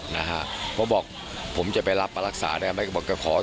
นะฮะเพราะบอกผมจะไปรับมารักษาได้ไหมก็บอกก็ขอ